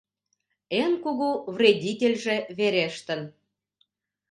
Эн кугу вредительже верештын...